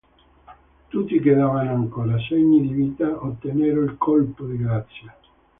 Tutti che davano ancora segni di vita ottennero il colpo di grazia.